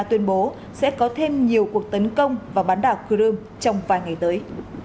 tuyên bố sẽ có thêm nhiều cuộc tấn công và bắn đảo crimea trong vài ngày tới